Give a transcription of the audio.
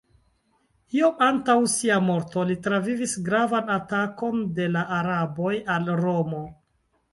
Iom antaŭ sia morto, li travivis gravan atakon de la araboj al Romo.